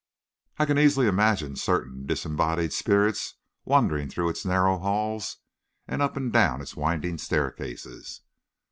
I can easily imagine certain disembodied spirits wandering through its narrow halls and up and down its winding staircases."